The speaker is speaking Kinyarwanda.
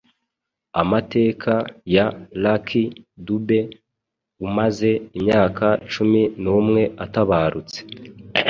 Amateka ya Lucky Dube umaze imyaka cumi numwe atabarutse